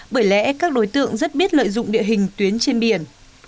bởi lẽ các đối tượng rất biết lợi dụng địa hình tuyến trên biển